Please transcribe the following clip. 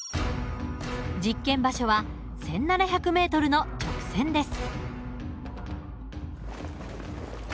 実験場所は１，７００ｍの直線です。